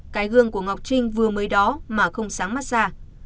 cái gương của ngọc trinh vừa mới đó mà không sáng mắt ra